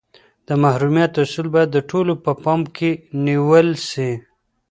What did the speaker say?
د محرمیت اصول باید د ټولو په پام کي نیول سي.